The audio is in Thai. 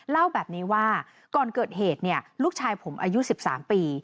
เล่าแบบนี้ว่าก่อนเกิดเหตุลูกชายผมอายุ๑๓ปี